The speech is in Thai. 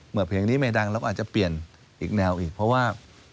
เพลงนี้ไม่ดังเราก็อาจจะเปลี่ยนอีกแนวอีกเพราะว่า